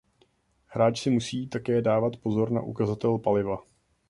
Hráč si musí také dávat pozor na ukazatel paliva.